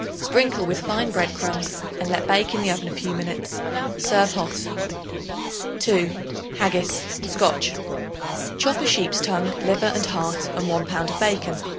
Sprinkle with fine bread crumbs and let bake in the oven a few minutes. Serve hot. 2. Haggis (SCOTCH). Chop a sheep's tongue, liver and heart and 1 pound of bacon.